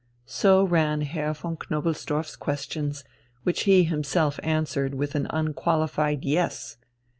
So ran Herr von Knobelsdorff's questions, which he himself answered with an unqualified Yes!